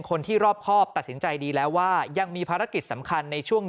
คนที่รอบครอบตัดสินใจดีแล้วว่ายังมีภารกิจสำคัญในช่วง